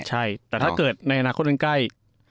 ใช่แต่ถ้าเกิดในอนาคตมันใกล้